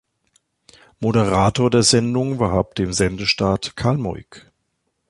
Moderator der Sendung war ab dem Sendestart Karl Moik.